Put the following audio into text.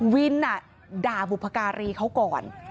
วินด่าบุพการีเขาก่อน